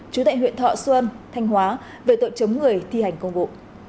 trú tại huyện thọ xuân thanh hóa về tội chấm người thi hành công bố